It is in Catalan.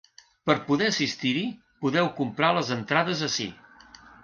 Per poder assistir-hi podeu comprar les entrades ací.